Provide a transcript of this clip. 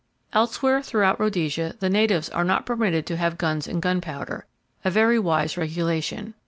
Elsewhere throughout Rhodesia the natives are not permitted to have guns and gunpowder,—a very wise regulation.